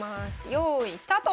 よいスタート！